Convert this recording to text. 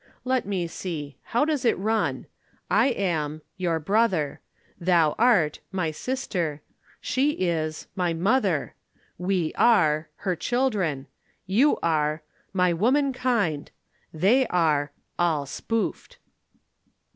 Let me see. How does it run? I am your brother, thou art my sister, she is my mother, we are her children, you are my womankind, they are all spoofed."